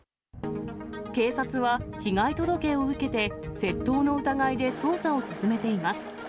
警察は、被害届を受けて、窃盗の疑いで捜査を進めています。